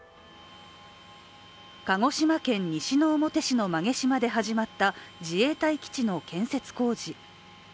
鹿児島県西之表市の馬毛島で始まった自衛隊基地の建設工事。